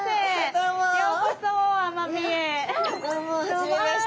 どうも初めまして。